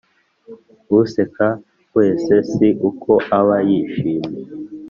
useka wese si uko aba yishimye